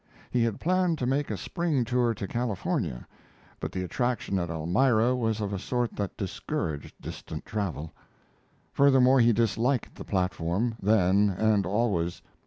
He had planned to make a spring tour to California, but the attraction at Elmira was of a sort that discouraged distant travel. Furthermore, he disliked the platform, then and always.